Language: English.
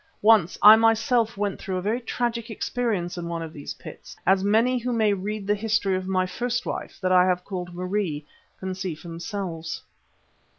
Once I myself went through a very tragic experience in one of these pits, as any who may read the history of my first wife, that I have called Marie, can see for themselves.